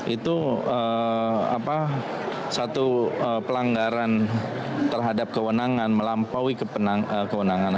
itu satu pelanggaran terhadap kewenangan melampaui kewenangan